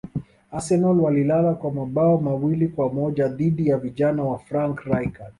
arsenal walilala kwa mabao mawili kwa moja dhidi ya vijana wa frank rijkard